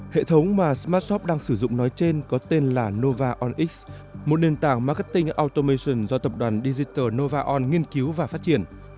hệ thống mà smartshop đang sử dụng nói trên có tên là nova onx một nền tảng marketing automation do tập đoàn digital novaon nghiên cứu và phát triển